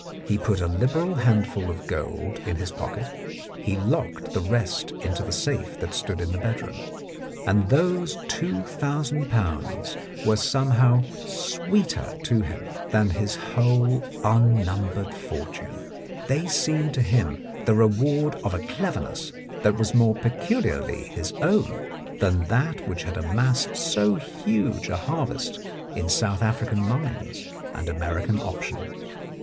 He put a liberal handful of gold in his pocket ; he locked the rest into the safe that stood in the bedroom. And those two thousand pounds were somehow sweeter to him than his whole un numbered fortune : they seemed to him the reward of a cleverness that was more peculiarly his own than that which had amassed so huge a harvest in South African mines and American options.